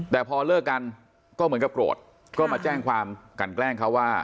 แต่พอเลิกกันก็เหมือนกับโกรธก็มาแจ้งความกันแกล้งเขาว่า